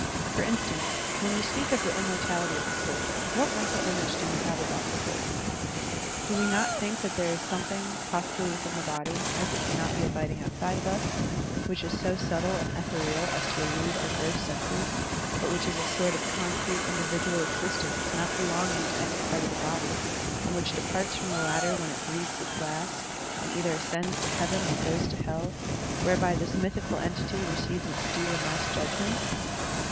*' For instance, when we speak of the immortality of the soul, what mental image do we have about the soul? Do we not think that there is some thing, possibly within the body, as it cannot be abiding outside of us, which is so subtle and ethereal as to elude our gross senses, but which is a sort of concrete individual existence not belonging to any part of the body, and which departs from the latter when it breathes its last and either ascends to Heaven or goes into Hell, whereby this mythical entity receives its due and last judgment?